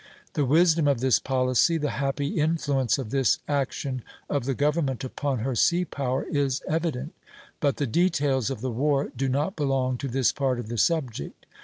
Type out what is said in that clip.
The wisdom of this policy, the happy influence of this action of the government upon her sea power, is evident; but the details of the war do not belong to this part of the subject.